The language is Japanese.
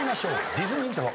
ディズニーイントロ。